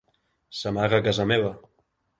S'amaga a casa meva.